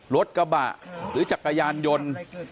รถกระบะหรือจักรยานยนต์